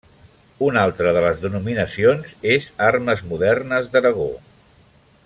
Una altra de les denominacions és Armes modernes d'Aragó.